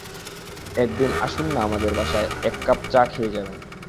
এক দিন আসুন না আমাদের বাসায়, এক কাপ চা খেয়ে যাবেন।